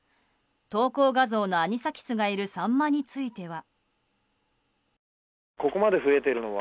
投稿画像のアニサキスがいるサンマについては。